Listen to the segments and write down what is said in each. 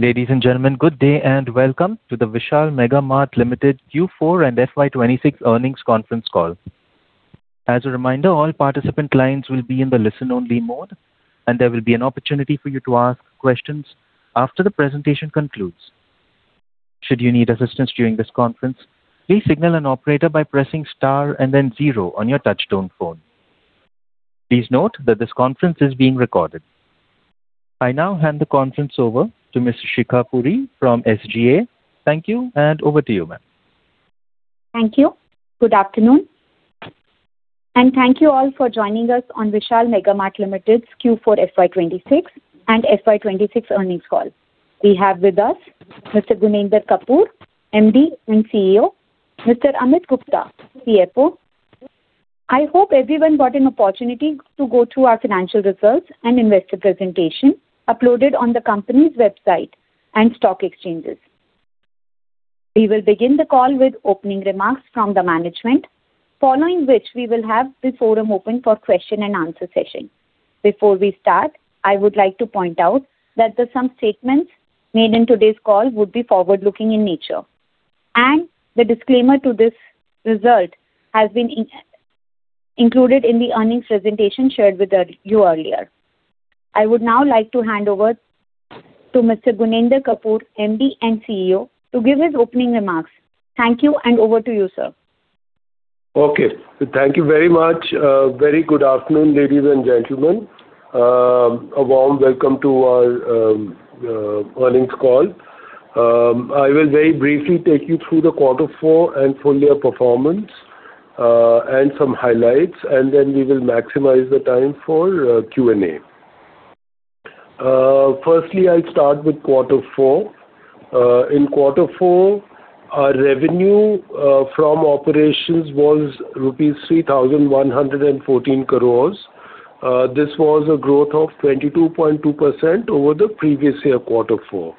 Ladies and gentlemen, good day and welcome to the Vishal Mega Mart Limited Q4 and FY 2026 earnings conference call. As a reminder, all participant lines will be in the listen-only mode, and there will be an opportunity for you to ask questions after the presentation concludes. Should you need assistance during this conference, please signal an operator by pressing star and then zero on your touch-tone phone. Please note that this conference is being recorded. I now hand the conference over to Ms. Shikha Puri from SGA. Thank you, and over to you, ma'am. Thank you. Good afternoon, and thank you all for joining us on Vishal Mega Mart Limited's Q4 FY 2026 and FY 2026 earnings call. We have with us Mr. Gunender Kapur, MD and CEO, Mr. Amit Gupta, CFO. I hope everyone got an opportunity to go through our financial results and investor presentation uploaded on the company's website and stock exchanges. We will begin the call with opening remarks from the management, following which we will have the forum open for question and answer session. Before we start, I would like to point out that the some statements made in today's call would be forward-looking in nature, and the disclaimer to this result has been included in the earnings presentation shared with you earlier. I would now like to hand over to Mr. Gunender Kapur, MD and CEO, to give his opening remarks. Thank you, and over to you, sir. Okay. Thank you very much. Very good afternoon, ladies and gentlemen. A warm welcome to our earnings call. I will very briefly take you through the quarter four and full year performance and some highlights, and then we will maximize the time for Q&A. Firstly, I'll start with quarter four. In quarter four, our revenue from operations was rupees 3,114 crores. This was a growth of 22.2% over the previous year, quarter four.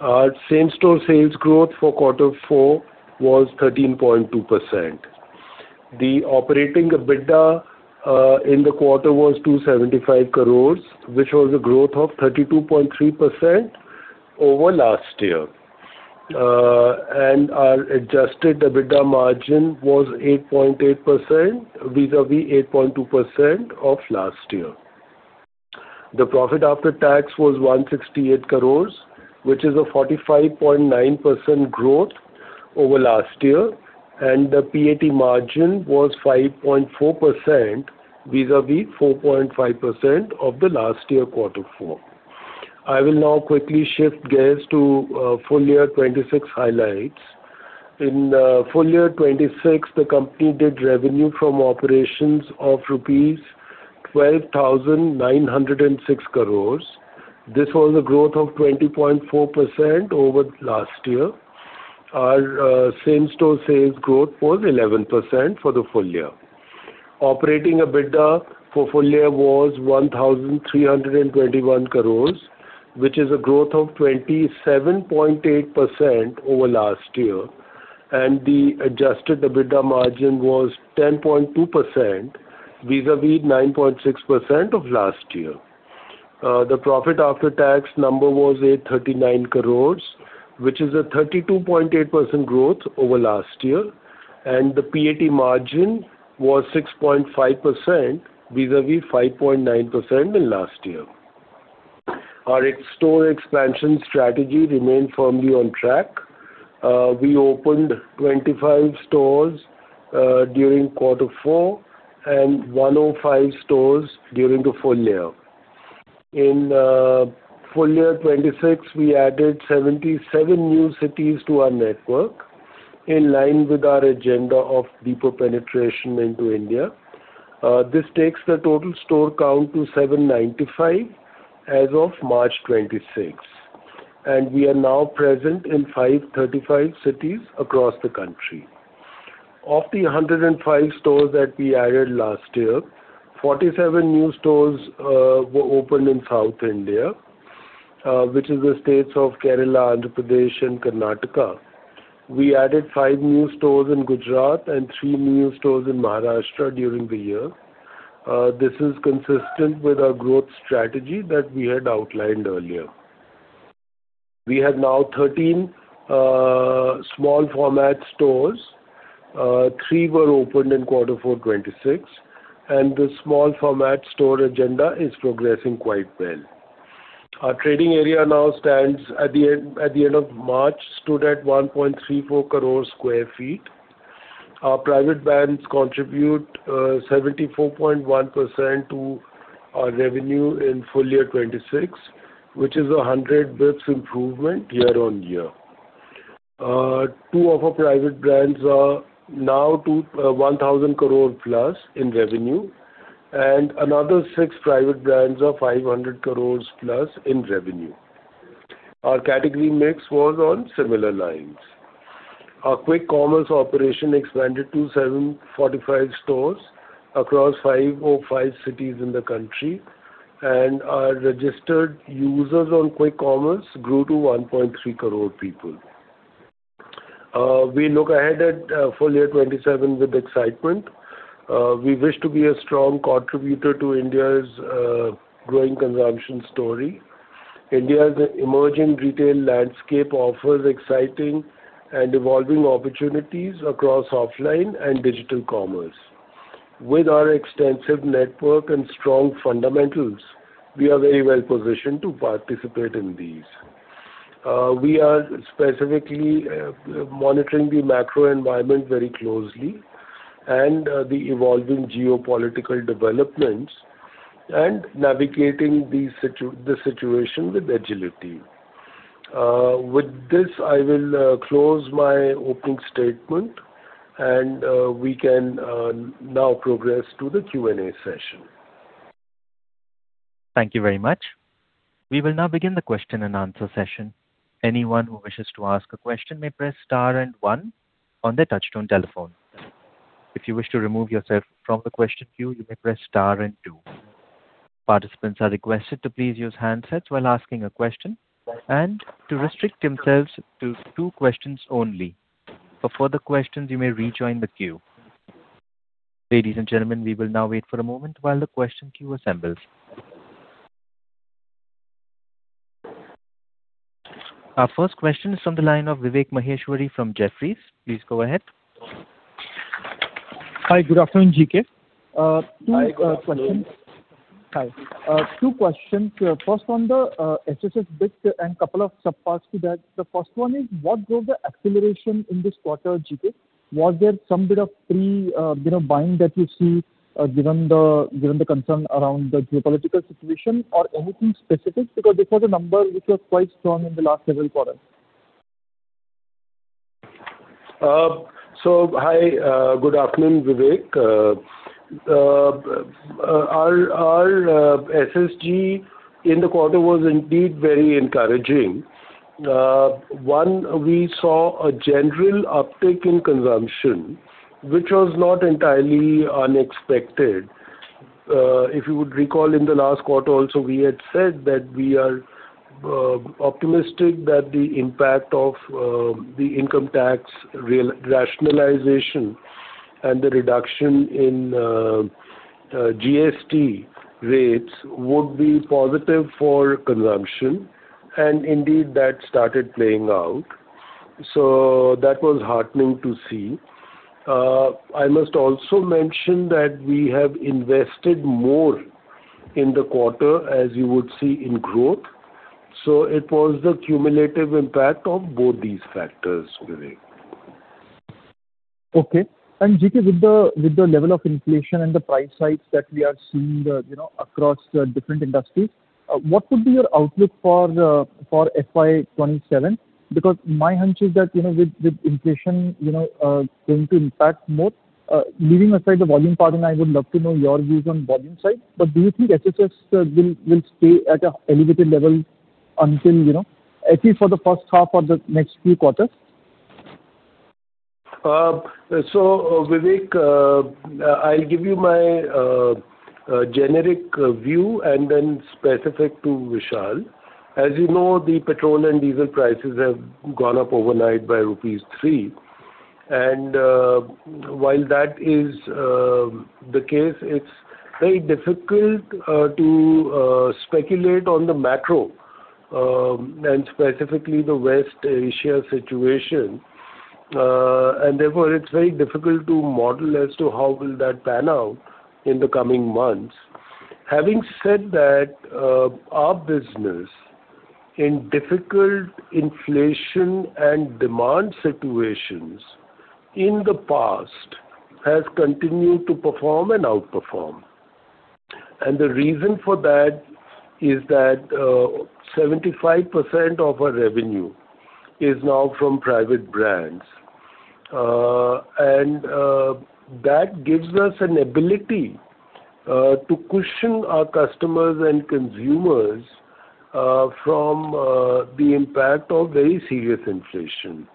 Our same-store sales growth for quarter four was 13.2%. The operating EBITDA in the quarter was 275 crores, which was a growth of 32.3% over last year. Our adjusted EBITDA margin was 8.8% vis-à-vis 8.2% of last year. The profit after tax was 168 crores, which is a 45.9% growth over last year, and the PAT margin was 5.4% vis-à-vis 4.5% of the last year, quarter four. I will now quickly shift gears to full year 2026 highlights. In full year 2026, the company did revenue from operations of rupees 12,906 crores. This was a growth of 20.4% over last year. Our same-store sales growth was 11% for the full year. Operating EBITDA for full year was 1,321 crores, which is a growth of 27.8% over last year, and the adjusted EBITDA margin was 10.2% vis-à-vis 9.6% of last year. The profit after tax number was 839 crores, which is a 32.8% growth over last year, and the PAT margin was 6.5% vis-à-vis 5.9% in last year. Our in-store expansion strategy remained firmly on track. We opened 25 stores during quarter four and 105 stores during the full year. In full year 2026, we added 77 new cities to our network in line with our agenda of deeper penetration into India. This takes the total store count to 795 as of March 2026, and we are now present in 535 cities across the country. Of the 105 stores that we added last year, 47 new stores were opened in South India, which is the states of Kerala, Andhra Pradesh, and Karnataka. We added five new stores in Gujarat and three new stores in Maharashtra during the year. This is consistent with our growth strategy that we had outlined earlier. We have now 13 small format stores. Three were opened in quarter four, 2026, and the small format store agenda is progressing quite well. Our trading area now stands at the end of March, stood at 1.34 crore sq ft. Our private brands contribute 74.1% to our revenue in full year 2026, which is a 100 bps improvement year-on-year. Two of our private brands are now to 1,000+ crore in revenue, and another six private brands are 500+ crore in revenue. Our category mix was on similar lines. Our quick commerce operation expanded to 745 stores across 505 cities in the country. Our registered users on quick commerce grew to 1.3 crore people. We look ahead at full year 2027 with excitement. We wish to be a strong contributor to India's growing consumption story. India's emerging retail landscape offers exciting and evolving opportunities across offline and digital commerce. With our extensive network and strong fundamentals, we are very well-positioned to participate in these. We are specifically monitoring the macro environment very closely and the evolving geopolitical developments and navigating the situation with agility. With this, I will close my opening statement, and we can now progress to the Q&A session. Thank you very much. We will now begin the question-and-answer session. Anyone who wishes to ask a question may press star and one on their touch-tone telephone. If you wish to remove yourself from the question queue, you may press star and two. Participants are requested to please use handsets while asking a question and to restrict themselves to two questions only. For further questions, you may rejoin the queue. Ladies and gentlemen, we will now wait for a moment while the question queue assembles. Our first question is on the line of Vivek Maheshwari from Jefferies. Please go ahead. Hi. Good afternoon, G.K. Hi. Good afternoon. Two questions. Hi. Two questions. First, on the SSG bit and couple of sub parts to that. The first one is, what drove the acceleration in this quarter, G.K.? Was there some bit of pre, you know, buying that you see, given the concern around the geopolitical situation or anything specific? This was a number which was quite strong in the last several quarters. Hi. Good afternoon, Vivek. Our SSG in the quarter was indeed very encouraging. One, we saw a general uptick in consumption, which was not entirely unexpected. If you would recall in the last quarter also, we had said that we are optimistic that the impact of the income tax rationalization and the reduction in GST rates would be positive for consumption. Indeed, that started playing out. That was heartening to see. I must also mention that we have invested more in the quarter, as you would see in growth. It was the cumulative impact of both these factors, Vivek. Okay. G.K., with the level of inflation and the price hikes that we are seeing, you know, across different industries, what would be your outlook for FY 2027? My hunch is that, you know, with inflation, you know, going to impact more. Leaving aside the volume part, I would love to know your views on volume side, do you think SSG will stay at an elevated level until, you know, at least for the first half or the next few quarters? Vivek, I'll give you my generic view and then specific to Vishal. As you know, the petrol and diesel prices have gone up overnight by rupees 3. While that is the case, it's very difficult to speculate on the macro, and specifically the West Asia situation. Therefore it's very difficult to model as to how will that pan out in the coming months. Having said that, our business in difficult inflation and demand situations in the past has continued to perform and outperform. The reason for that is that 75% of our revenue is now from private brands. That gives us an ability to cushion our customers and consumers from the impact of very serious inflation.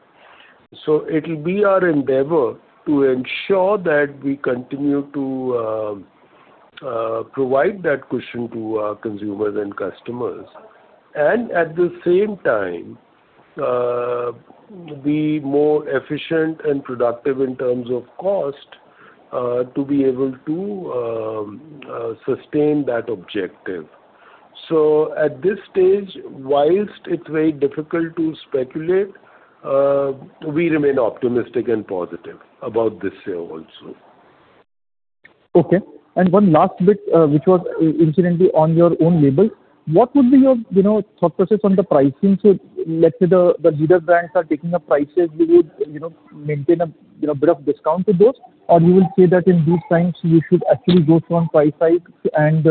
It'll be our endeavor to ensure that we continue to provide that cushion to our consumers and customers and, at the same time, be more efficient and productive in terms of cost to be able to sustain that objective. At this stage, whilst it's very difficult to speculate, we remain optimistic and positive about this year also. Okay. One last bit, which was incidentally on your own label. What would be your, you know, thought process on the pricing? Let's say the leader brands are taking up prices, you would, you know, maintain a, you know, bit of discount to those? You will say that in these times you should actually go strong price-wise and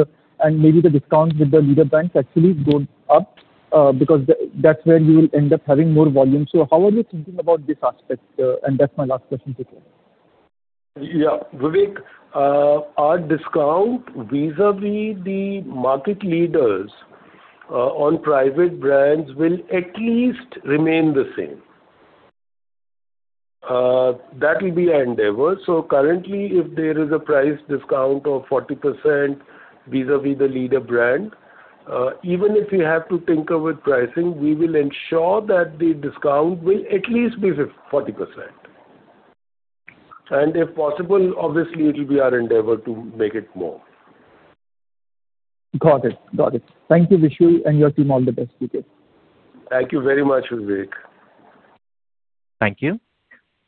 maybe the discounts with the leader brands actually go up, because that's where you will end up having more volume. How are you thinking about this aspect? That's my last question, G.K. Vivek, our discount vis-a-vis the market leaders on private brands will at least remain the same. That will be our endeavor. Currently, if there is a price discount of 40% vis-a-vis the leader brand, even if we have to tinker with pricing, we will ensure that the discount will at least be 40%. If possible, obviously it will be our endeavor to make it more. Got it. Thank you, Vishal. Your team, all the best with it. Thank you very much, Vivek. Thank you.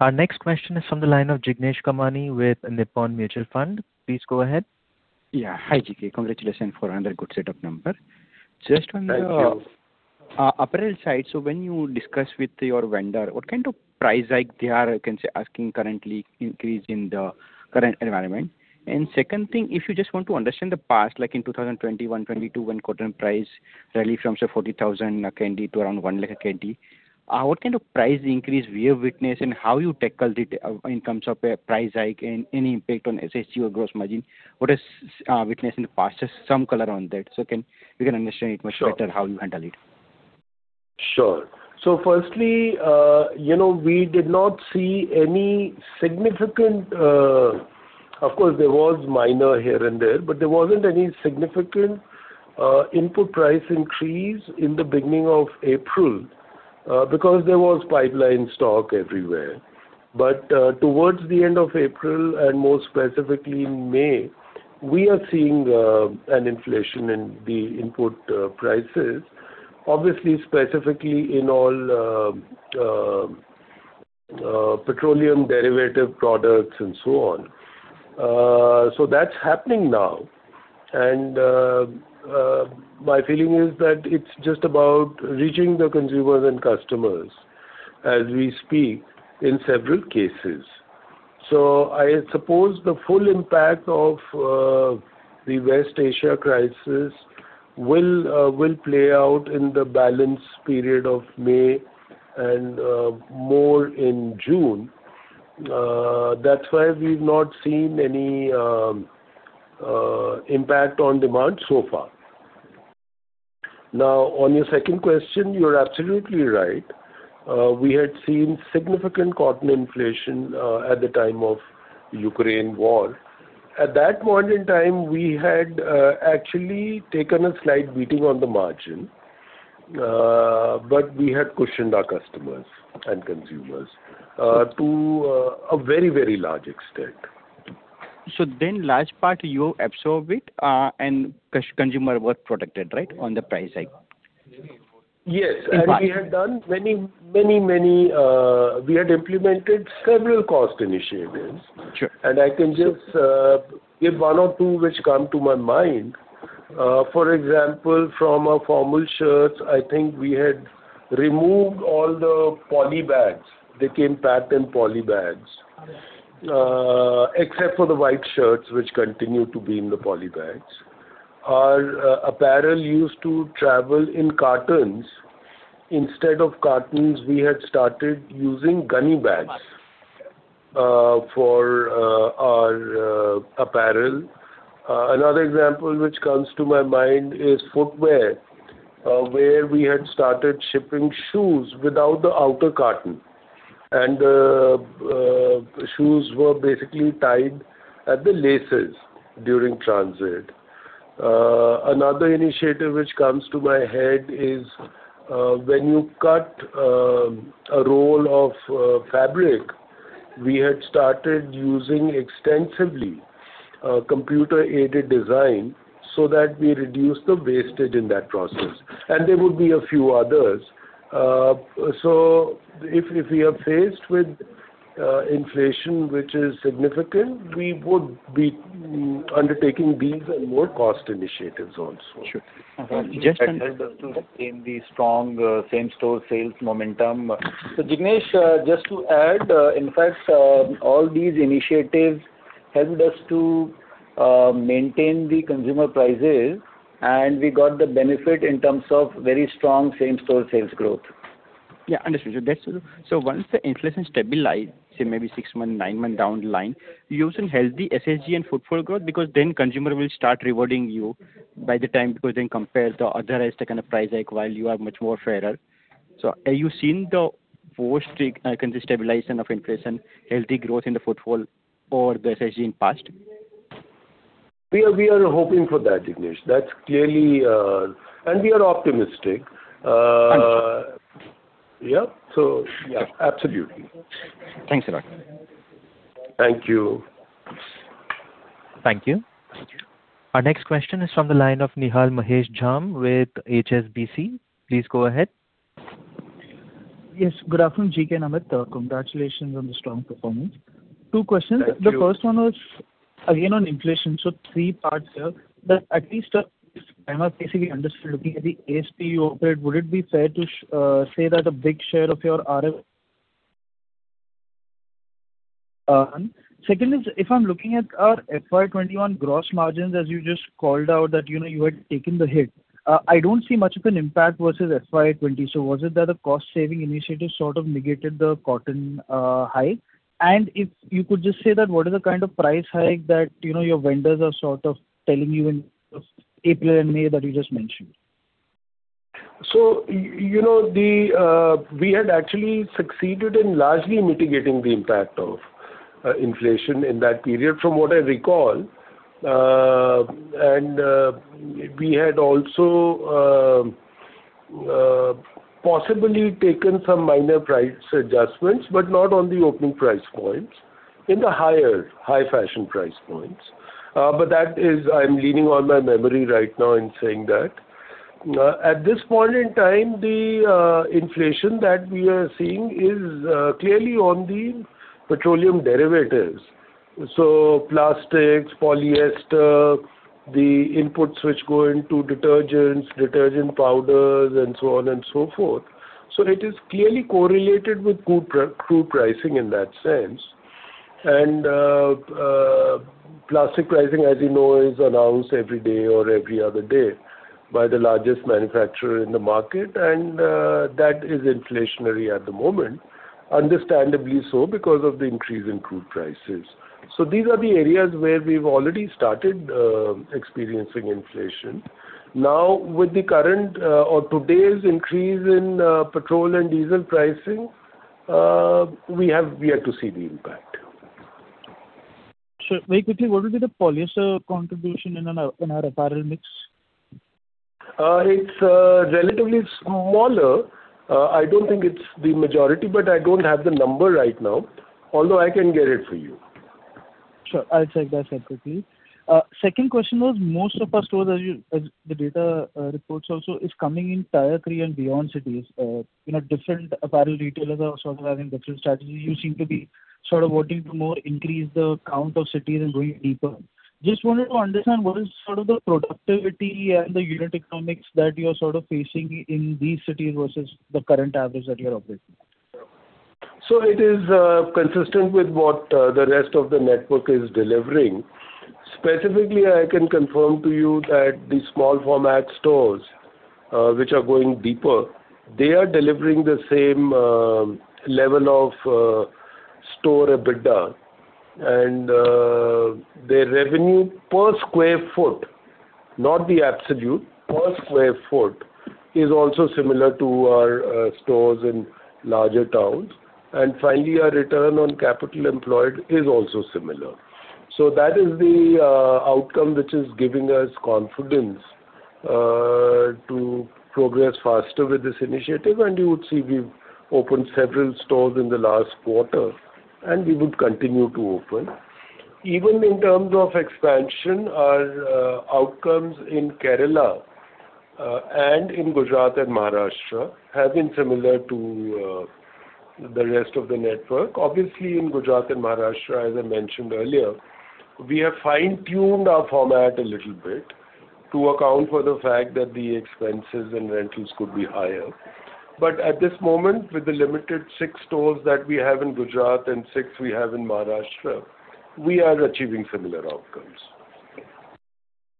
Our next question is from the line of Jignesh Kamani with Nippon Mutual Fund. Please go ahead. Yeah. Hi, G.K. Congratulations for another good set of number. Thank you. Just on the apparel side, when you discuss with your vendor, what kind of price hike they are, I can say, asking currently increase in the current environment? Second thing, if you just want to understand the past, like in 2020, 2022 when cotton price rallied from, say, 40,000 a candy to around 1 lakh a candy, what kind of price increase we have witnessed and how you tackled it in terms of a price hike and any impact on SSG or gross margin? What is witnessed in the past? Just some color on that, we can understand it much better. Sure. How you handle it. Sure. Firstly, you know, Of course, there was minor here and there, but there wasn't any significant input price increase in the beginning of April because there was pipeline stock everywhere. Towards the end of April, and more specifically in May, we are seeing an inflation in the input prices. Obviously, specifically in all petroleum derivative products and so on. That's happening now. My feeling is that it's just about reaching the consumers and customers as we speak in several cases. I suppose the full impact of the West Asia crisis will play out in the balance period of May and more in June. That's why we've not seen any impact on demand so far. On your second question, you're absolutely right. We had seen significant cotton inflation at the time of Ukraine War. At that point in time, we had actually taken a slight beating on the margin. We had cushioned our customers and consumers to a very, very large extent. Large part you absorb it, and consumer were protected, right, on the price hike? Yes. In part. We had implemented several cost initiatives. Sure. I can just give one or two which come to my mind. For example, from our formal shirts, I think we had removed all the poly bags. They came packed in poly bags. Oh, yeah. Except for the white shirts which continued to be in the poly bags. Our apparel used to travel in cartons. Instead of cartons, we had started using gunny bags. Right. For our apparel. Another example which comes to my mind is footwear, where we had started shipping shoes without the outer carton. Shoes were basically tied at the laces during transit. Another initiative which comes to my head is when you cut a roll of fabric, we had started using extensively computer-aided design so that we reduce the wastage in that process. There would be a few others. If, if we are faced with inflation which is significant, we would be undertaking these and more cost initiatives also. Sure. Okay. Helped us to maintain the strong same-store sales momentum. Jignesh, just to add, in fact, all these initiatives helped us to maintain the consumer prices, and we got the benefit in terms of very strong same-store sales growth. Yeah, understood. Once the inflation stabilizes, say maybe six months, nine months down the line, you think helps the SSG and footfall growth? Consumer will start rewarding you by the time, compare the other kind of price hike while you are much more fairer. Are you seeing the post, I can say, stabilization of inflation, healthy growth in the footfall or the SSG in past? We are hoping for that, Jignesh. That's clearly. We are optimistic. Understood. Yeah. Yeah, absolutely. Thanks a lot. Thank you. Thank you. Our next question is from the line of Nihal Mahesh Jham with HSBC. Please go ahead. Yes. Good afternoon, G.K. and Amit. Congratulations on the strong performance. Two questions. Thank you. The first one was again on inflation, three parts here. At least, if I have basically understood, looking at the ASP you operate, would it be fair to say that a big share of your. Second is if I'm looking at FY 2021 gross margins, as you just called out that, you know, you had taken the hit, I don't see much of an impact versus FY 2020. Was it that the cost-saving initiatives sort of negated the cotton hike? If you could just say that what is the kind of price hike that, you know, your vendors are sort of telling you in April and May that you just mentioned? You know, the, we had actually succeeded in largely mitigating the impact of inflation in that period, from what I recall. And we had also, possibly taken some minor price adjustments, but not on the opening price points, in the higher, high fashion price points. But that is I'm leaning on my memory right now in saying that. At this point in time, the inflation that we are seeing is clearly on the petroleum derivatives. Plastics, polyester, the inputs which go into detergents, detergent powders, and so on and so forth. It is clearly correlated with crude pricing in that sense. Plastic pricing, as you know, is announced every day or every other day by the largest manufacturer in the market, that is inflationary at the moment, understandably so because of the increase in crude prices. These are the areas where we've already started experiencing inflation. With the current or today's increase in petrol and diesel pricing, we have yet to see the impact. Sure. Very quickly, what will be the polyester contribution in our apparel mix? It's relatively smaller. I don't think it's the majority, but I don't have the number right now. Although I can get it for you. Sure. I'll check that separately. Second question was, most of our stores, as you, as the data, reports also, is coming in tier 3 and beyond cities. You know, different apparel retailers are sort of having different strategies. You seem to be sort of wanting to more increase the count of cities and going deeper. Just wanted to understand what is sort of the productivity and the unit economics that you're sort of facing in these cities versus the current average that you're operating at. It is consistent with what the rest of the network is delivering. Specifically, I can confirm to you that the small format stores, which are going deeper, they are delivering the same level of store EBITDA. Their revenue per square foot, not the absolute, per square foot, is also similar to our stores in larger towns. Finally, our return on capital employed is also similar. That is the outcome which is giving us confidence to progress faster with this initiative. You would see we've opened several stores in the last quarter, and we would continue to open. Even in terms of expansion, our outcomes in Kerala, and in Gujarat and Maharashtra have been similar to the rest of the network. In Gujarat and Maharashtra, as I mentioned earlier, we have fine-tuned our format a little bit to account for the fact that the expenses and rentals could be higher. At this moment, with the limited six stores that we have in Gujarat and six we have in Maharashtra, we are achieving similar outcomes.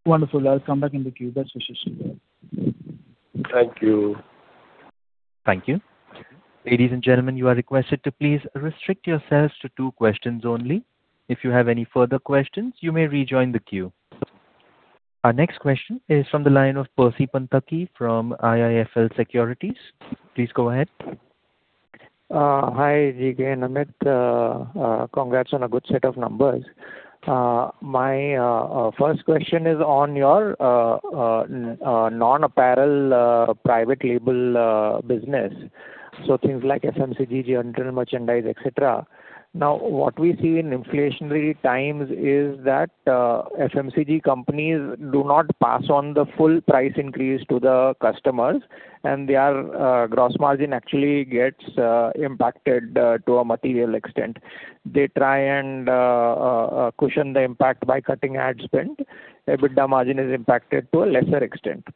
Wonderful. I'll come back in the queue. That's sufficient. Thank you. Thank you. Ladies and gentlemen, you are requested to please restrict yourselves to two questions only. If you have any further questions, you may rejoin the queue. Our next question is from the line of Percy Panthaki from IIFL Securities. Please go ahead. Hi again, Amit. Congrats on a good set of numbers. My first question is on your non-apparel private label business, so things like FMCG, general merchandise, et cetera. Now, what we see in inflationary times is that FMCG companies do not pass on the full price increase to the customers, and their gross margin actually gets impacted to a material extent. They try and cushion the impact by cutting ad spend. EBITDA margin is impacted to a lesser extent.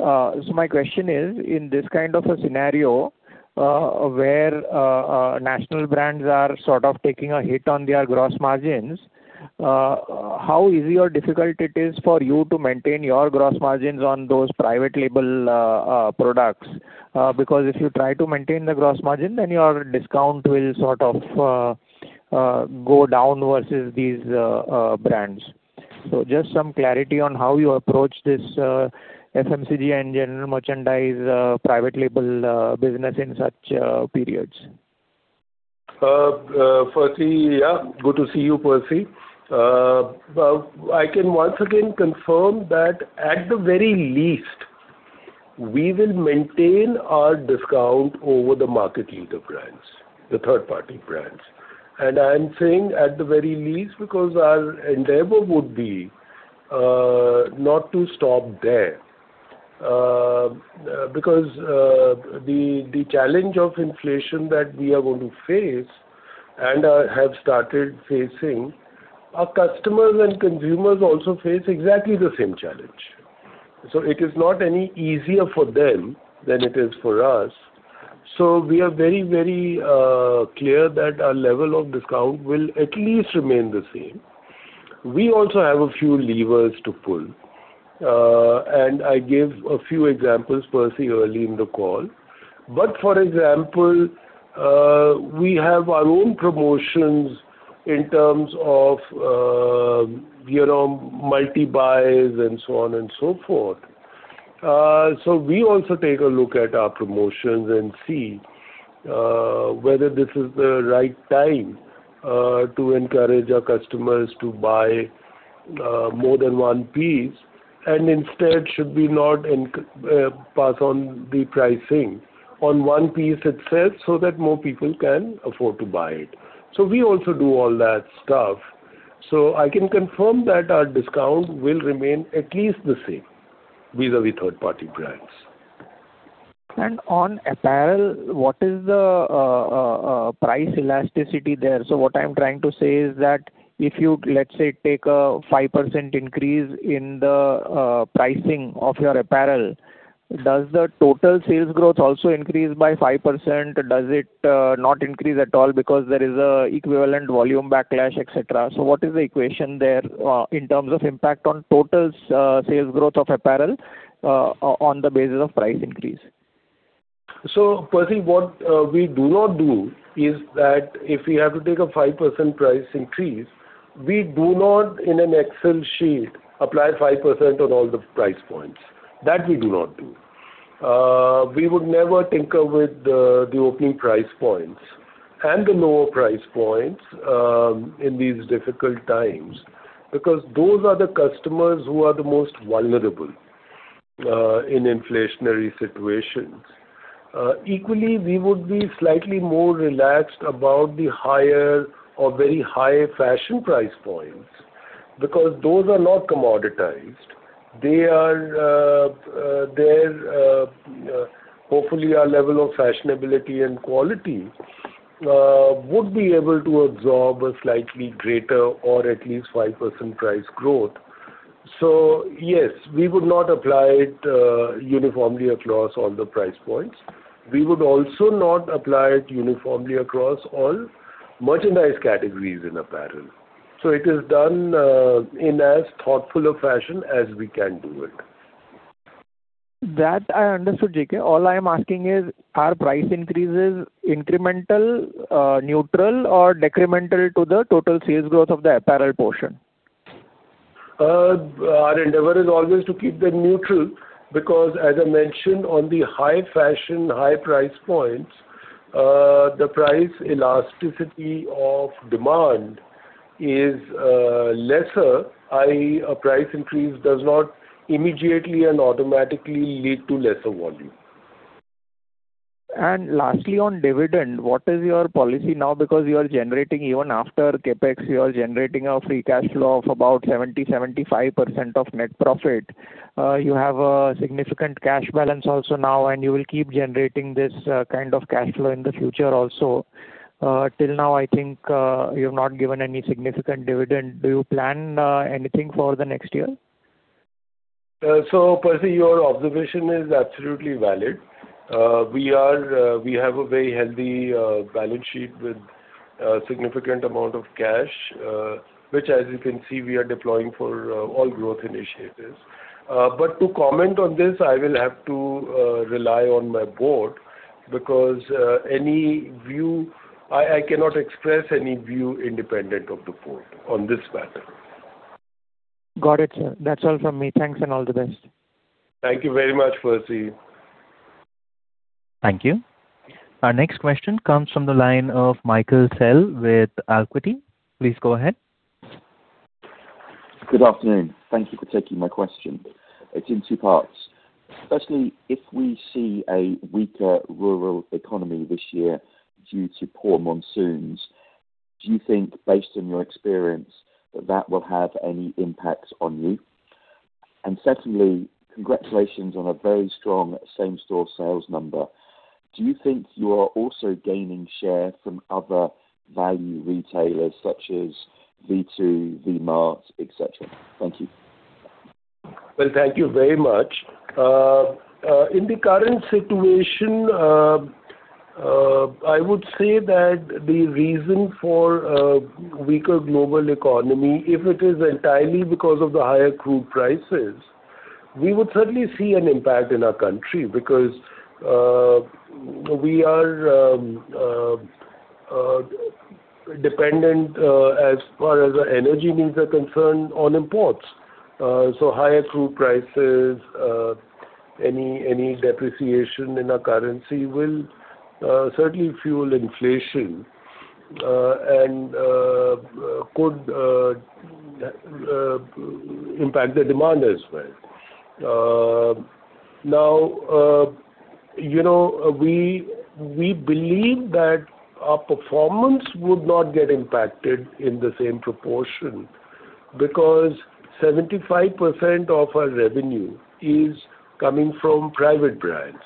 My question is, in this kind of a scenario, where national brands are sort of taking a hit on their gross margins, how easy or difficult it is for you to maintain your gross margins on those private label products? If you try to maintain the gross margin, then your discount will sort of go down versus these brands. Just some clarity on how you approach this FMCG and general merchandise private label business in such periods. Percy, yeah. Good to see you, Percy. I can once again confirm that at the very least, we will maintain our discount over the market leader brands, the third-party brands. I'm saying at the very least because our endeavor would be not to stop there. Because the challenge of inflation that we are going to face, and have started facing, our customers and consumers also face exactly the same challenge. It is not any easier for them than it is for us. We are very, very clear that our level of discount will at least remain the same. We also have a few levers to pull. I gave a few examples, Percy, early in the call. For example, we have our own promotions in terms of, you know, multi-buys and so on and so forth. We also take a look at our promotions and see whether this is the right time to encourage our customers to buy more than one piece, and instead should we not pass on the pricing on one piece itself so that more people can afford to buy it. We also do all that stuff. I can confirm that our discount will remain at least the same vis-à-vis third party brands. On apparel, what is the price elasticity there? What I am trying to say is that if you, let us say, take a 5% increase in the pricing of your apparel, does the total sales growth also increase by 5%? Does it not increase at all because there is an equivalent volume backlash, et cetera? What is the equation there in terms of impact on total sales growth of apparel on the basis of price increase? Percy, what we do not do is that if we have to take a 5% price increase, we do not in an Excel sheet apply 5% on all the price points. That we do not do. We would never tinker with the opening price points and the lower price points in these difficult times, because those are the customers who are the most vulnerable in inflationary situations. Equally, we would be slightly more relaxed about the higher or very high fashion price points because those are not commoditized. They are, their, hopefully our level of fashionability and quality would be able to absorb a slightly greater or at least 5% price growth. Yes, we would not apply it uniformly across all the price points. We would also not apply it uniformly across all merchandise categories in apparel. It is done in as thoughtful a fashion as we can do it. That I understood, G.K. All I am asking is, are price increases incremental, neutral or decremental to the total sales growth of the apparel portion? Our endeavor is always to keep them neutral because, as I mentioned, on the high fashion, high price points, the price elasticity of demand is lesser, i.e. a price increase does not immediately and automatically lead to lesser volume. Lastly, on dividend, what is your policy now? Because you are generating even after CapEx, you are generating a free cash flow of about 70%-75% of net profit. You have a significant cash balance also now, and you will keep generating this kind of cash flow in the future also. Till now I think, you've not given any significant dividend. Do you plan anything for the next year? Percy, your observation is absolutely valid. We are, we have a very healthy balance sheet with a significant amount of cash, which as you can see, we are deploying for all growth initiatives. To comment on this, I will have to rely on my board because any view I cannot express any view independent of the board on this matter. Got it, sir. That's all from me. Thanks and all the best. Thank you very much, Percy. Thank you. Our next question comes from the line of Michael Sell with Alquity. Please go ahead. Good afternoon. Thank you for taking my question. It's in two parts. Firstly, if we see a weaker rural economy this year due to poor monsoons, do you think, based on your experience, that that will have any impact on you? Secondly, congratulations on a very strong same-store sales number. Do you think you are also gaining share from other value retailers such as V2, V-Mart, et cetera? Thank you. Well, thank you very much. In the current situation, I would say that the reason for a weaker global economy, if it is entirely because of the higher crude prices, we would certainly see an impact in our country because we are dependent as far as our energy needs are concerned on imports. Higher crude prices, any depreciation in our currency will certainly fuel inflation and could impact the demand as well. You know, we believe that our performance would not get impacted in the same proportion because 75% of our revenue is coming from private brands,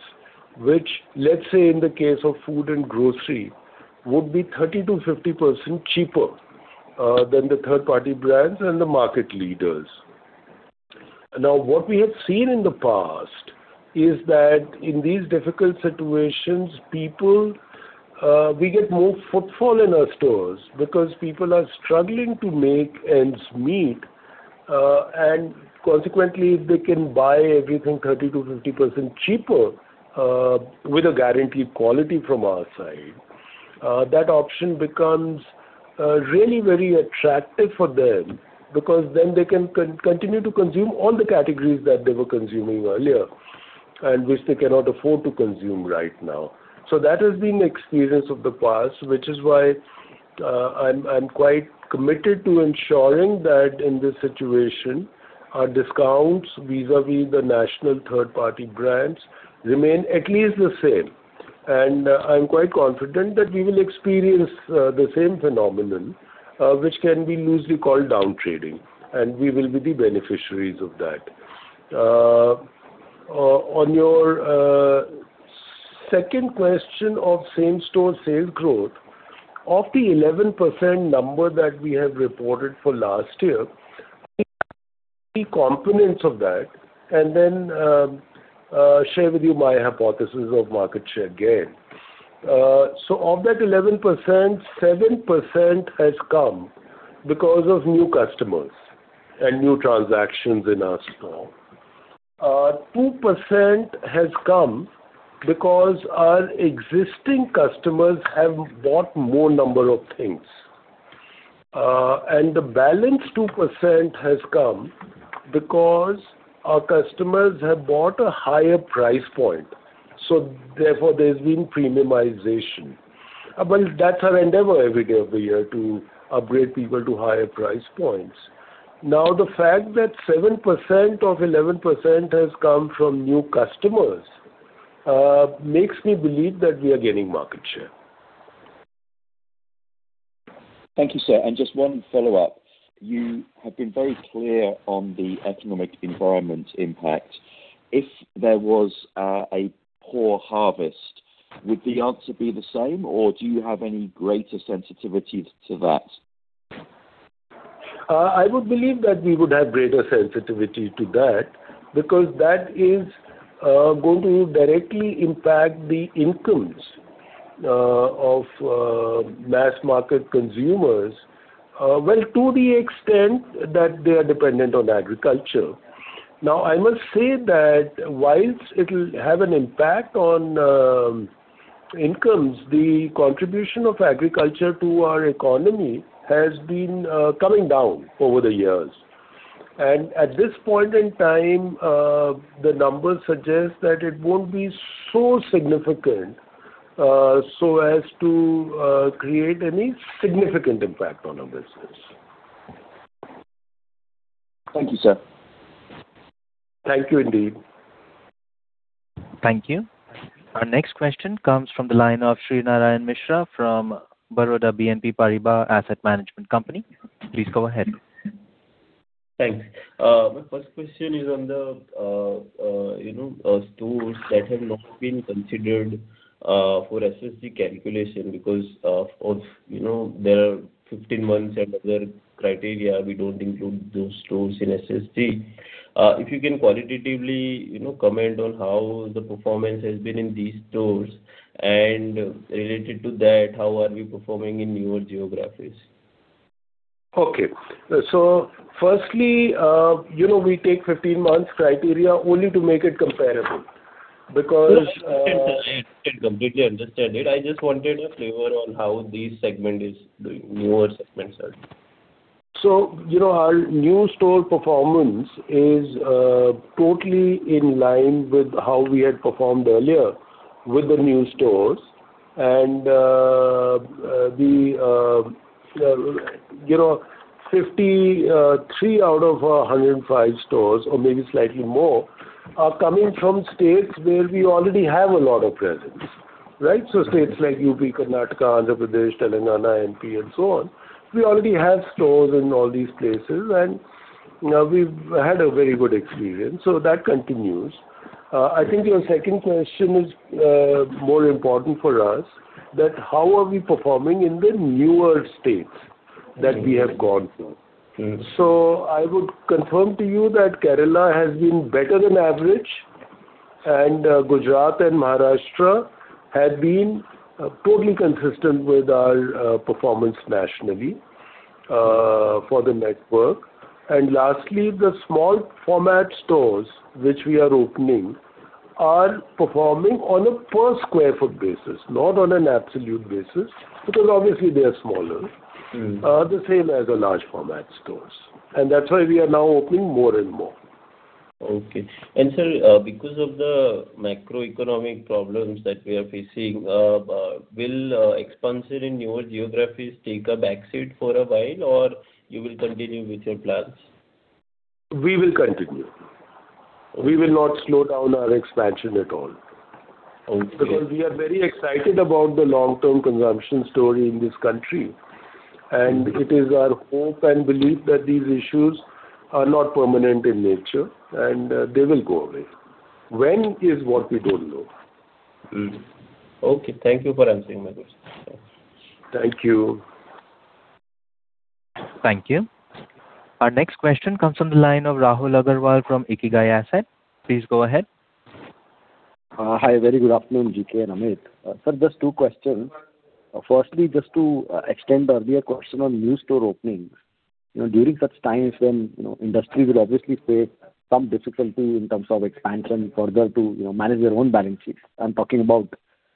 which, let's say in the case of food and grocery, would be 30%-50% cheaper than the third party brands and the market leaders. What we have seen in the past is that in these difficult situations, people, we get more footfall in our stores because people are struggling to make ends meet. And consequently, they can buy everything 30%-50% cheaper, with a guaranteed quality from our side. That option becomes really very attractive for them because then they can continue to consume all the categories that they were consuming earlier, and which they cannot afford to consume right now. That has been the experience of the past, which is why, I'm quite committed to ensuring that in this situation, our discounts vis-à-vis the national third-party brands remain at least the same. I'm quite confident that we will experience the same phenomenon, which can be loosely called downtrading, and we will be the beneficiaries of that. On your second question of same-store sales growth, of the 11% number that we have reported for last year, the components of that, and then share with you my hypothesis of market share gain. Of that 11%, 7% has come because of new customers and new transactions in our store. 2% has come because our existing customers have bought more number of things. The balance 2% has come because our customers have bought a higher price point, so therefore there's been premiumization. Well, that's our endeavor every day of the year to upgrade people to higher price points. The fact that 7% of 11% has come from new customers makes me believe that we are gaining market share. Thank you, sir. Just one follow-up. You have been very clear on the economic environment impact. If there was a poor harvest, would the answer be the same, or do you have any greater sensitivity to that? I would believe that we would have greater sensitivity to that, because that is going to directly impact the incomes of mass-market consumers, well, to the extent that they are dependent on agriculture. Now, I must say that whilst it'll have an impact on incomes, the contribution of agriculture to our economy has been coming down over the years. At this point in time, the numbers suggest that it won't be so significant so as to create any significant impact on our business. Thank you, sir. Thank you, indeed. Thank you. Our next question comes from the line of Shrinarayan Mishra from Baroda BNP Paribas Asset Management Company. Please go ahead. Thanks. My first question is on the, you know, stores that have not been considered for SSG calculation because of, you know, there are 15 months and other criteria, we don't include those stores in SSG. If you can qualitatively, you know, comment on how the performance has been in these stores, and related to that, how are we performing in newer geographies? Okay. Firstly, you know, we take 15 months criteria only to make it comparable because. Yes. I completely understand it. I just wanted a flavor on how this segment is doing, newer segments are doing. You know, our new store performance is totally in line with how we had performed earlier with the new stores. You know, 53 out of 105 stores, or maybe slightly more, are coming from states where we already have a lot of presence, right? States like UP, Karnataka, Andhra Pradesh, Telangana, MP, and so on. We already have stores in all these places, and, you know, we've had a very good experience. That continues. I think your second question is more important for us, that how are we performing in the newer states that we have gone to. I would confirm to you that Kerala has been better than average, Gujarat and Maharashtra have been totally consistent with our performance nationally for the network. Lastly, the small format stores which we are opening are performing on a per square foot basis, not on an absolute basis, because obviously they are smaller. The same as the large format stores. That's why we are now opening more and more. Okay. Sir, because of the macroeconomic problems that we are facing, will expansion in newer geographies take a back seat for a while, or you will continue with your plans? We will continue. We will not slow down our expansion at all. Okay. Because we are very excited about the long-term consumption story in this country. It is our hope and belief that these issues are not permanent in nature, and they will go away. When is what we don't know. Okay. Thank you for answering my questions. Thank you. Thank you. Our next question comes from the line of Rahul Agarwal from IKIGAI Asset. Please go ahead. Hi. Very good afternoon, G.K. and Amit. Sir, just two questions. Firstly, just to extend earlier question on new store openings. You know, during such times when, you know, industry will obviously face some difficulty in terms of expansion further to, you know, manage their own balance sheets. I am talking about,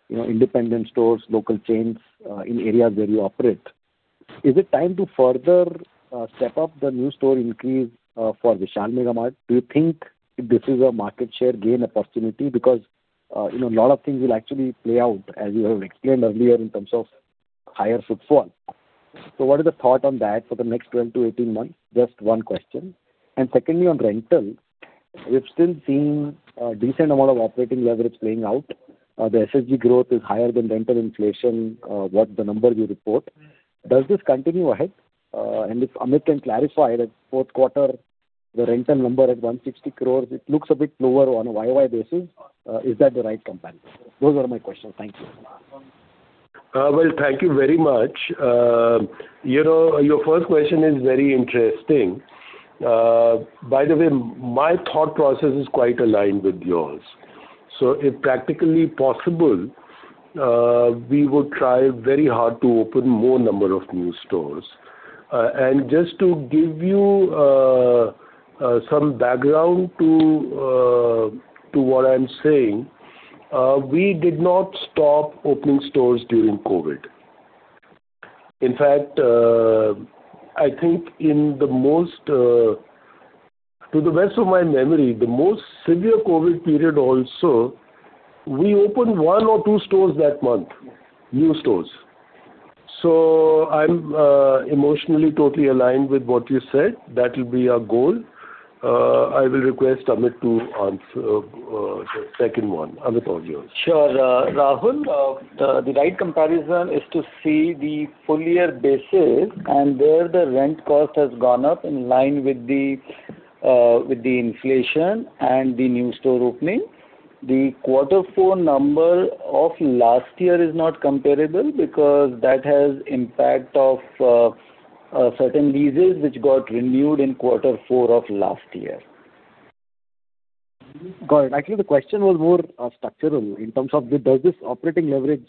you know, independent stores, local chains, in areas where you operate. Is it time to further step up the new store increase for Vishal Mega Mart? Do you think this is a market share gain opportunity? Because, you know, a lot of things will actually play out, as you have explained earlier, in terms of higher footfall. What is the thought on that for the next 12-18 months? Just one question. Secondly, on rental, we've still seen a decent amount of operating leverage playing out. The SSG growth is higher than rental inflation, what the number you report. Does this continue ahead? If Amit can clarify that fourth quarter, the rental number at 160 crores, it looks a bit lower on a YoY basis. Is that the right comparison? Those are my questions. Thank you. Well, thank you very much. You know, your first question is very interesting. By the way, my thought process is quite aligned with yours. If practically possible, we would try very hard to open more number of new stores. Just to give you some background to what I'm saying, we did not stop opening stores during COVID. In fact, I think in the most, to the best of my memory, the most severe COVID period also, we opened one or two stores that month, new stores. I'm emotionally totally aligned with what you said. That will be our goal. I will request Amit to answer the second one. Amit, all yours. Sure. Rahul, the right comparison is to see the full year basis and where the rent cost has gone up in line with the inflation and the new store opening. The quarter four number of last year is not comparable because that has impact of certain leases which got renewed in quarter four of last year. Got it. Actually, the question was more structural in terms of, does this operating leverage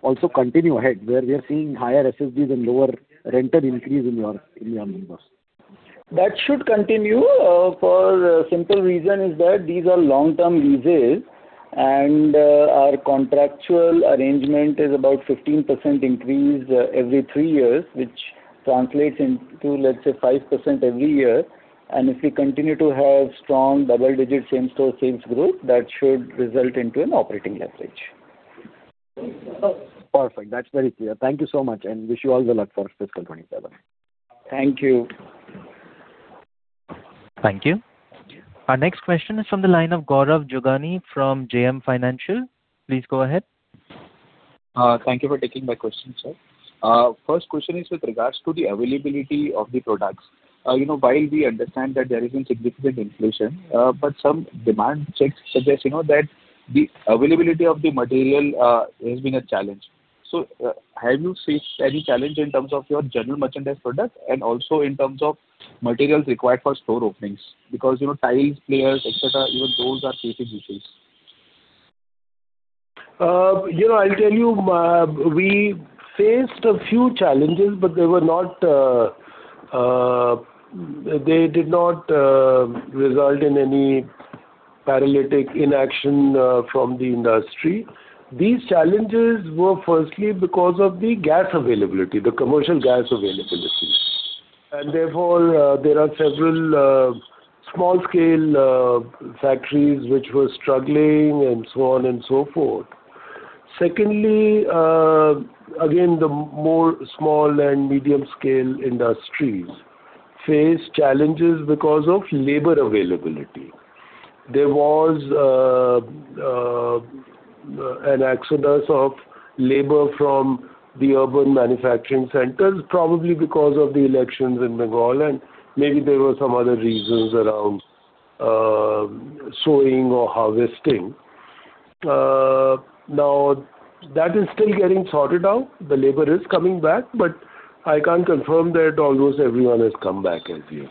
also continue ahead, where we are seeing higher SSG than lower rental increase in your, in your numbers? That should continue for simple reason is that these are long-term leases, and our contractual arrangement is about 15% increase every three years, which translates into, let's say, 5% every year. If we continue to have strong double-digit same-store sales growth, that should result into an operating leverage. Perfect. That's very clear. Thank you so much, and wish you all the luck for fiscal 2027. Thank you. Thank you. Our next question is from the line of Gaurav Jogani from JM Financial. Please go ahead. Thank you for taking my question, sir. First question is with regards to the availability of the products. You know, while we understand that there is a significant inflation, but some demand checks suggest, you know, that the availability of the material has been a challenge. Have you faced any challenge in terms of your general merchandise product and also in terms of materials required for store openings? You know, tiles, pliers, et cetera, even those are facing issues. You know, I'll tell you, we faced a few challenges, but they were not, they did not result in any paralytic inaction from the industry. These challenges were firstly because of the gas availability, the commercial gas availability. Therefore, there are several small scale factories which were struggling and so on and so forth. Secondly, again, the more small and medium scale industries face challenges because of labor availability. There was an exodus of labor from the urban manufacturing centers, probably because of the elections in Bengal, and maybe there were some other reasons around sowing or harvesting. Now, that is still getting sorted out. The labor is coming back, but I can't confirm that almost everyone has come back as yet.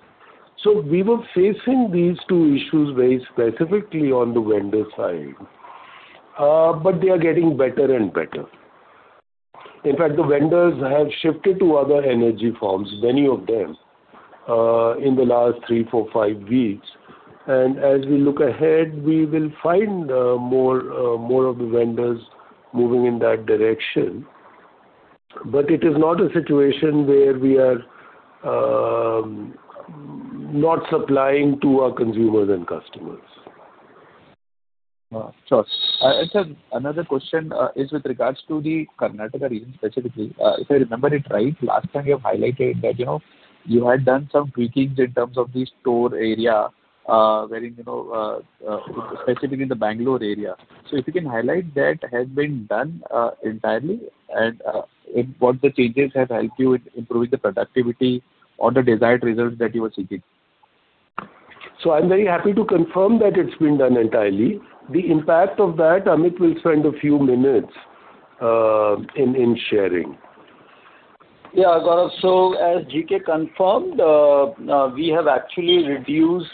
We were facing these two issues very specifically on the vendor side. But they are getting better and better. In fact, the vendors have shifted to other energy forms, many of them, in the last three, four, five weeks. As we look ahead, we will find more of the vendors moving in that direction. It is not a situation where we are not supplying to our consumers and customers. Sure. Sir, another question is with regards to the Karnataka region specifically. If I remember it right, last time you have highlighted that, you know, you had done some tweakings in terms of the store area, where, you know, specifically in the Bangalore area. If you can highlight that has been done entirely and what the changes have helped you with improving the productivity or the desired results that you were seeking? I'm very happy to confirm that it's been done entirely. The impact of that, Amit will spend a few minutes in sharing. Yeah, as G.K. confirmed, we have actually reduced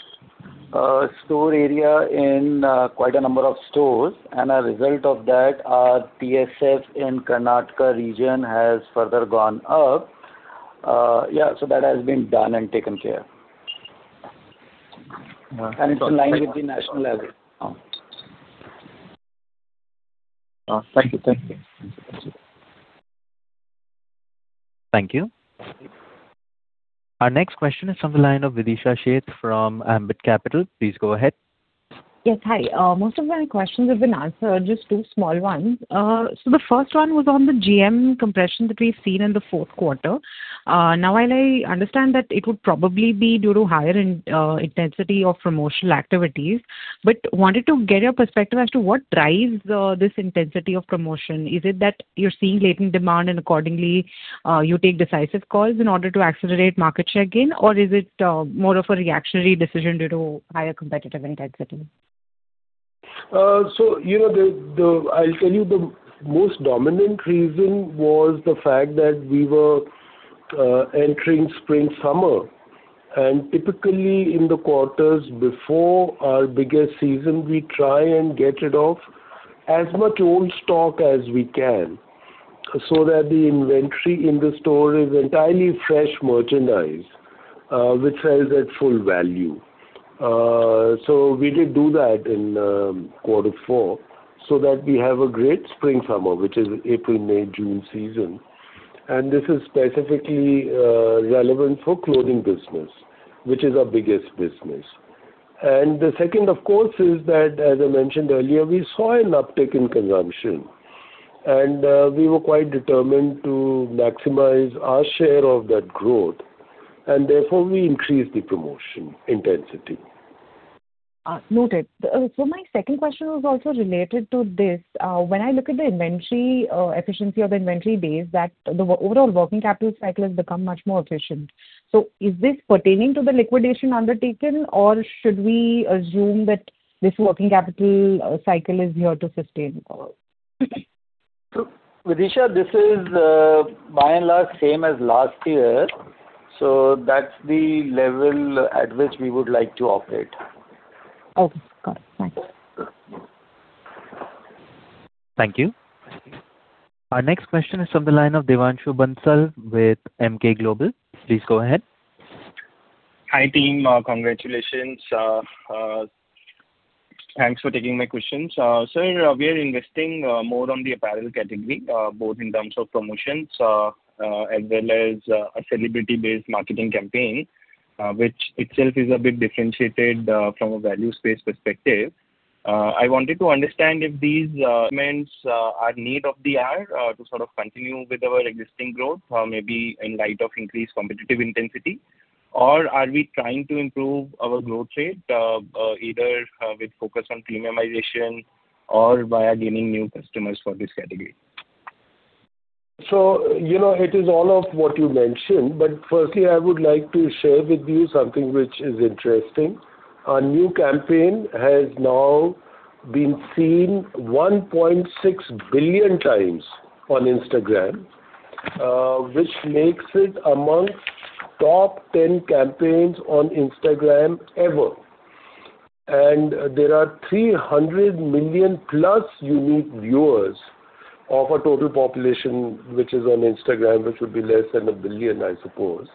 store area in quite a number of stores. A result of that, our TSS in Karnataka region has further gone up. Yeah, that has been done and taken care. Yeah. It's in line with the national average. Oh. Oh, thank you. Thank you. Thank you. Our next question is from the line of Videesha Sheth from Ambit Capital. Please go ahead. Yes, hi. Most of my questions have been answered. Just two small ones. The first one was on the GM compression that we've seen in the fourth quarter. Now while I understand that it would probably be due to higher intensity of promotional activities, wanted to get your perspective as to what drives this intensity of promotion. Is it that you're seeing latent demand and accordingly, you take decisive calls in order to accelerate market share gain, or is it more of a reactionary decision due to higher competitive intensity? You know, the I'll tell you the most dominant reason was the fact that we were entering spring/summer. Typically, in the quarters before our biggest season, we try and get rid of as much old stock as we can so that the inventory in the store is entirely fresh merchandise, which sells at full value. We did do that in quarter four so that we have a great spring/summer, which is April, May, June season, this is specifically relevant for clothing business, which is our biggest business. The second, of course, is that, as I mentioned earlier, we saw an uptick in consumption, we were quite determined to maximize our share of that growth and therefore we increased the promotion intensity. Noted. My second question was also related to this. When I look at the inventory, efficiency of the inventory days that the overall working capital cycle has become much more efficient. Is this pertaining to the liquidation undertaken, or should we assume that this working capital cycle is here to stay? Videesha, this is, by and large, same as last year. That's the level at which we would like to operate. Okay. Got it. Thanks. Thank you. Our next question is from the line of Devanshu Bansal with Emkay Global. Please go ahead. Hi, team. Congratulations. Thanks for taking my questions. Sir, we are investing more on the apparel category, both in terms of promotions, as well as a celebrity-based marketing campaign, which itself is a bit differentiated from a value space perspective. I wanted to understand if these means are need of the hour to sort of continue with our existing growth, maybe in light of increased competitive intensity. Are we trying to improve our growth rate either with focus on premiumization or via gaining new customers for this category? You know, it is all of what you mentioned, but firstly, I would like to share with you something which is interesting. Our new campaign has now been seen 1.6 billion times on Instagram, which makes it amongst top 10 campaigns on Instagram ever. There are 300+ million unique viewers of our total population, which is on Instagram, which would be less than 1 billion, I suppose.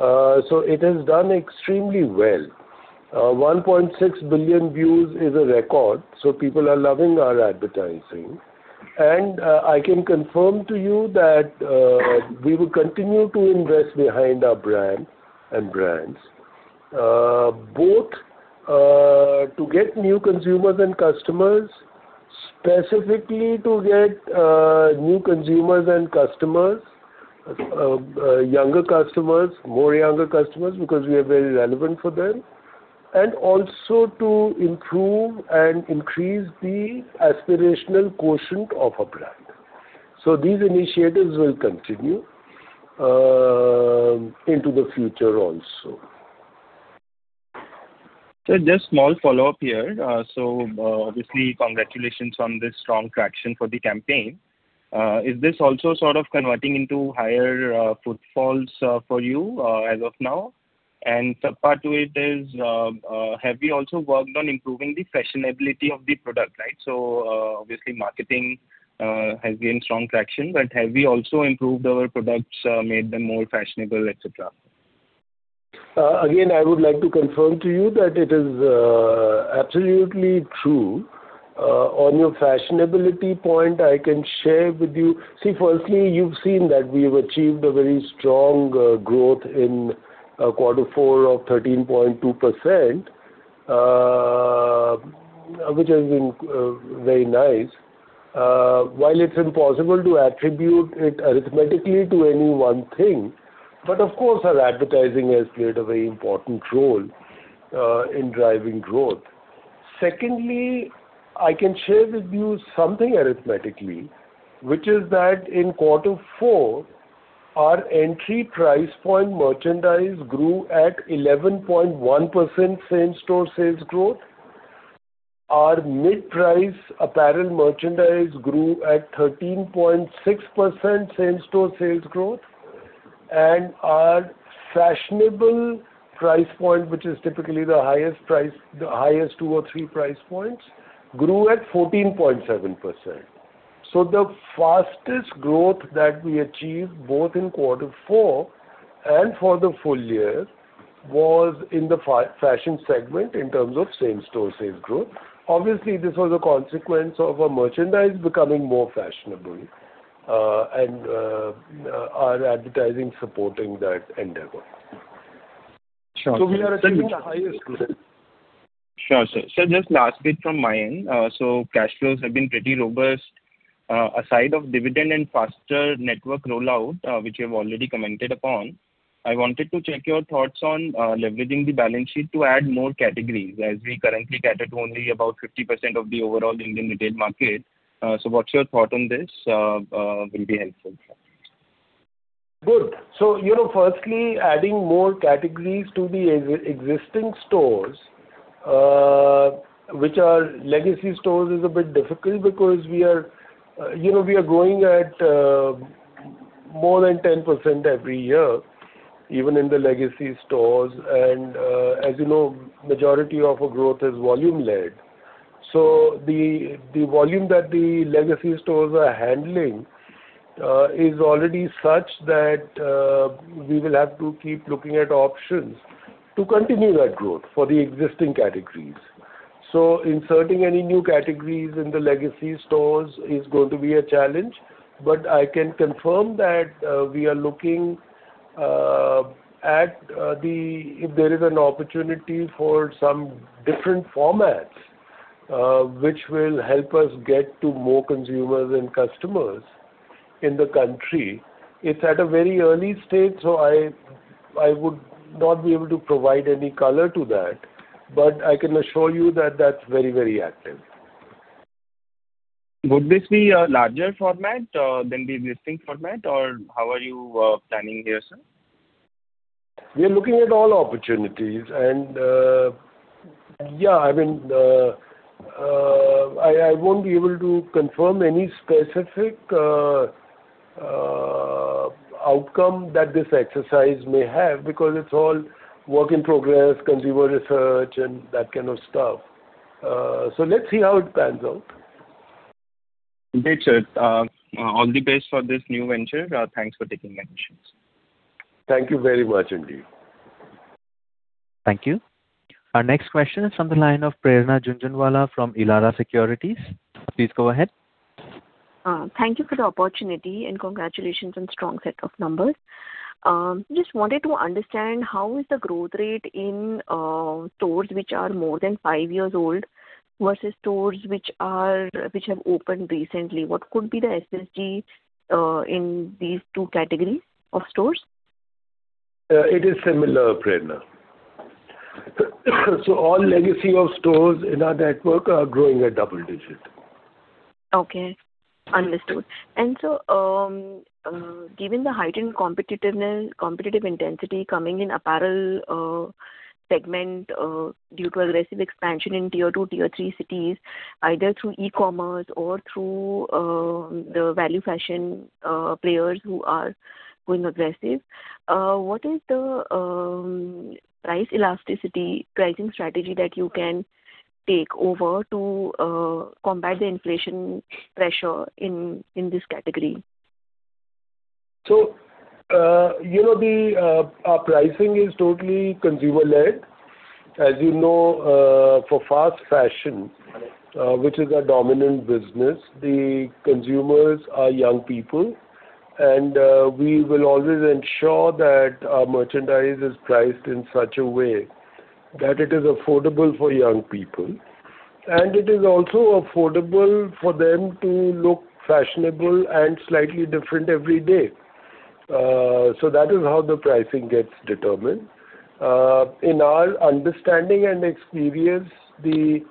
It has done extremely well. 1.6 billion views is a record, so people are loving our advertising. I can confirm to you that we will continue to invest behind our brand and brands, both to get new consumers and customers, specifically to get new consumers and customers, younger customers, more younger customers, because we are very relevant for them, and also to improve and increase the aspirational quotient of our brand. These initiatives will continue into the future also. Sir, just small follow-up here. Obviously congratulations on this strong traction for the campaign. Is this also sort of converting into higher footfalls for you as of now? Sub part to it is, have you also worked on improving the fashionability of the product, right? Obviously marketing has gained strong traction, but have you also improved our products, made them more fashionable, et cetera? Again, I would like to confirm to you that it is absolutely true. On your fashionability point, I can share with you. See, firstly, you've seen that we've achieved a very strong growth in quarter four of 13.2%, which has been very nice. While it's impossible to attribute it arithmetically to any one thing, but of course our advertising has played a very important role in driving growth. Secondly, I can share with you something arithmetically, which is that in quarter four, our entry price point merchandise grew at 11.1% same-store sales growth. Our mid-price apparel merchandise grew at 13.6% same-store sales growth, and our fashionable price point, which is typically the highest price, the highest two or three price points, grew at 14.7%. The fastest growth that we achieved both in quarter four and for the full year was in the fashion segment in terms of same-store sales growth. Obviously, this was a consequence of our merchandise becoming more fashionable, and our advertising supporting that endeavor. Sure, sir. We are at the highest growth. Sure, sir. Sir, just last bit from my end. Cash flows have been pretty robust. Aside of dividend and faster network rollout, which you have already commented upon, I wanted to check your thoughts on leveraging the balance sheet to add more categories, as we currently cater to only about 50% of the overall Indian retail market. What's your thought on this will be helpful, sir. Good. You know, firstly, adding more categories to the existing stores, which are legacy stores, is a bit difficult because we are, you know, we are growing at more than 10% every year, even in the legacy stores. As you know, majority of our growth is volume led. The volume that the legacy stores are handling is already such that we will have to keep looking at options to continue that growth for the existing categories. Inserting any new categories in the legacy stores is going to be a challenge. I can confirm that we are looking at the if there is an opportunity for some different formats, which will help us get to more consumers and customers in the country. It's at a very early stage, so I would not be able to provide any color to that, but I can assure you that that's very active. Would this be a larger format, than the existing format, or how are you planning here, sir? We are looking at all opportunities and, yeah, I mean, I won't be able to confirm any specific outcome that this exercise may have because it's all work in progress, consumer research and that kind of stuff. Let's see how it pans out. Great, sir. All the best for this new venture. Thanks for taking my questions. Thank you very much indeed. Thank you. Our next question is from the line of Prerna Jhunjhunwala from Elara Securities. Please go ahead. Thank you for the opportunity, and congratulations on strong set of numbers. Just wanted to understand how is the growth rate in stores which are more than five years old versus stores which have opened recently. What could be the SSG in these two categories of stores? It is similar, Prerna. All legacy of stores in our network are growing at double digit. Okay. Understood. Given the heightened competitiveness, competitive intensity coming in apparel segment, due to aggressive expansion in tier 2, tier 3 cities, either through e-commerce or through the value fashion players who are going aggressive, what is the price elasticity, pricing strategy that you can take over to combat the inflation pressure in this category? You know, the, our pricing is totally consumer led. As you know, for fast fashion, which is our dominant business, the consumers are young people, and, we will always ensure that our merchandise is priced in such a way that it is affordable for young people, and it is also affordable for them to look fashionable and slightly different every day. That is how the pricing gets determined. In our understanding and experience, the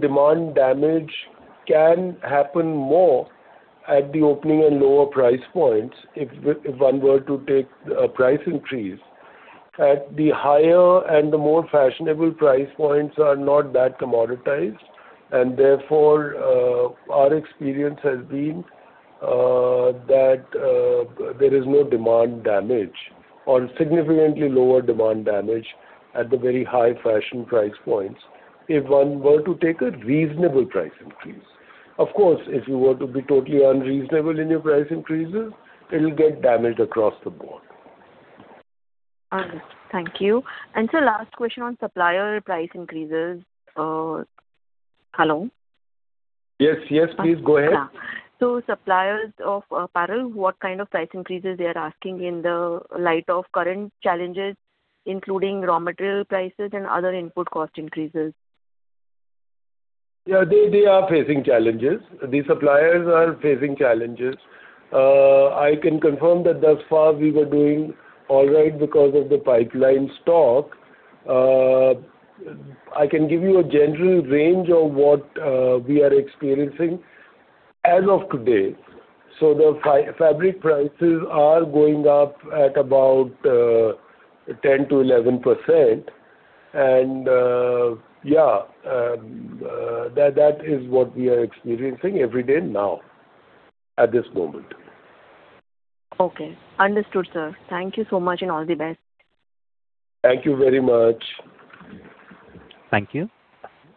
demand damage can happen more at the opening and lower price points if one were to take a price increase. At the higher and the more fashionable price points are not that commoditized, and therefore, our experience has been that there is no demand damage or significantly lower demand damage at the very high fashion price points if one were to take a reasonable price increase. Of course, if you were to be totally unreasonable in your price increases, it'll get damaged across the board. Understood. Thank you. Sir, last question on supplier price increases. Hello? Yes, yes. Please go ahead. Yeah. Suppliers of apparel, what kind of price increases they are asking in the light of current challenges, including raw material prices and other input cost increases? Yeah, they are facing challenges. The suppliers are facing challenges. I can confirm that thus far we were doing all right because of the pipeline stock. I can give you a general range of what we are experiencing. As of today. The fabric prices are going up at about 10%-11%. Yeah, that is what we are experiencing every day now at this moment. Okay. Understood, sir. Thank you so much, and all the best. Thank you very much. Thank you.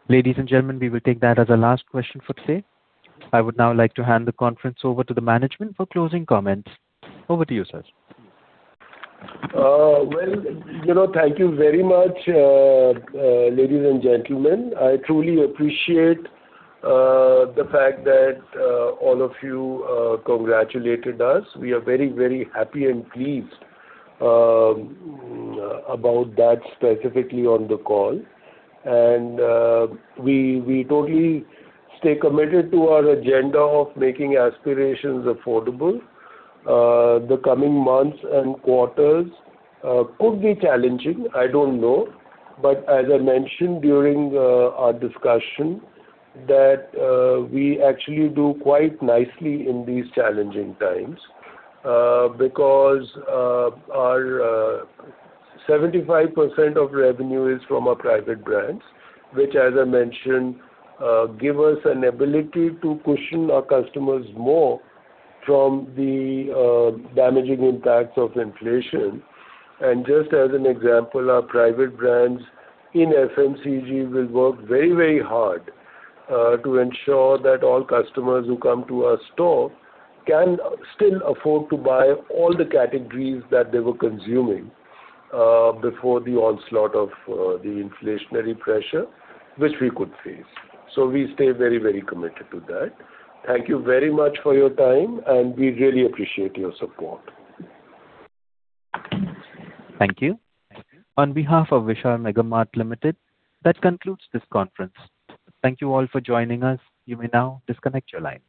Ladies and gentlemen, we will take that as our last question for today. I would now like to hand the conference over to the management for closing comments. Over to you, sir. Well, you know, thank you very much, ladies and gentlemen. I truly appreciate the fact that all of you congratulated us. We are very happy and pleased about that specifically on the call. We totally stay committed to our agenda of making aspirations affordable. The coming months and quarters could be challenging, I don't know. As I mentioned during our discussion that we actually do quite nicely in these challenging times because our 75% of revenue is from our private brands, which, as I mentioned, give us an ability to cushion our customers more from the damaging impacts of inflation. Just as an example, our private brands in FMCG will work very, very hard to ensure that all customers who come to our store can still afford to buy all the categories that they were consuming before the onslaught of the inflationary pressure, which we could face. We stay very, very committed to that. Thank you very much for your time, and we really appreciate your support. Thank you. On behalf of Vishal Mega Mart Limited, that concludes this conference. Thank you all for joining us. You may now disconnect your lines.